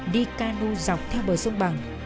đi canu dọc theo bờ sông bằng